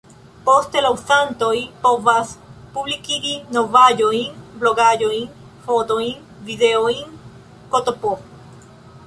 Poste la uzantoj povas publikigi novaĵojn, blogaĵojn, fotojn, videojn, ktp.